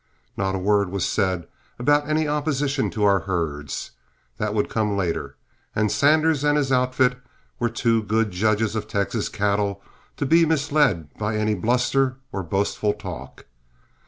Not a word was said about any opposition to our herds; that would come later, and Sanders and his outfit were too good judges of Texas cattle to be misled by any bluster or boastful talk.